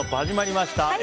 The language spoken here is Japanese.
始まりました。